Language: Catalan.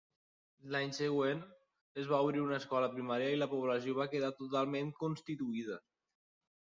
L'any següent es va obrir una escola primària i la població va quedar totalment constituïda.